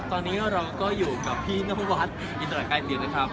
ตอนนี้เราก็อยู่กับพี่นวัสอินทรัพย์กายสินนะครับ